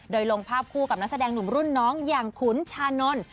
โดยลงภาพคู่กับนักแสดงหนุ่มรุ่นน้องอย่างขุนชานนท์